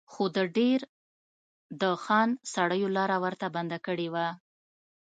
خو د دیر د خان سړیو لاره ورته بنده کړې وه.